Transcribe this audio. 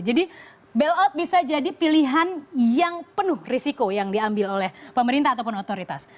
jadi bailout bisa jadi pilihan yang penuh risiko yang diambil oleh pemerintah ataupun otoritas